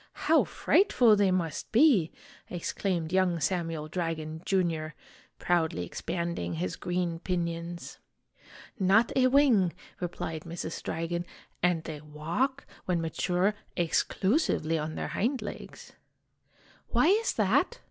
How frightful they must be!' ex claimed young Samuel Dragon, Jr., proudly expanding his green pinions. "Not a wing!" replied Mrs. Dragon. "And they walk, when mature, exclusively on their hind legs." "Why is that?"